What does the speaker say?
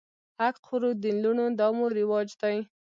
حق خورو د لوڼو دا مو رواج دی